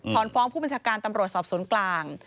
ฟ้องผู้บัญชาการตำรวจสอบสวนกลาง